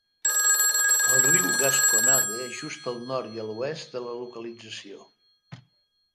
El riu Gasconade és just al nord i a l'oest de la localització.